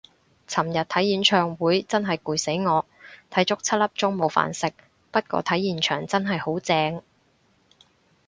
尋日睇演唱會真係攰死我，睇足七粒鐘冇飯食，不過睇現場真係好正